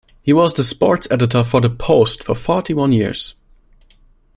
He was the sports editor for the "Post" for forty-one years.